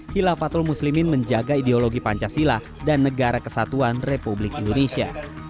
hilafatul muslimin menjaga ideologi pancasila dan negara kesatuan republik indonesia